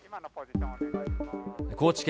高知県